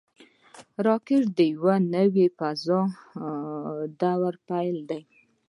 راکټ د یوه نوي فضاوي دور پیل دی